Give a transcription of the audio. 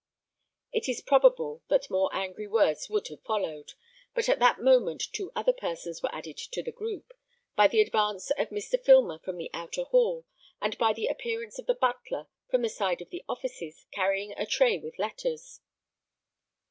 It is probable that more angry words would have followed, but at that moment two other persons were added to the group, by the advance of Mr. Filmer from the outer hall, and by the appearance of the butler from the side of the offices, carrying a tray with letters.